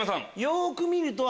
よく見ると。